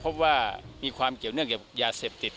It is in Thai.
พบว่ามีความเกี่ยวเนื่องกับยาเสพติด